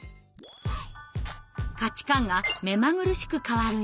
価値観が目まぐるしく変わる